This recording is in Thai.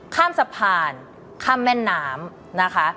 ข้ามสะพานข้ามแม่น้ำนะคะ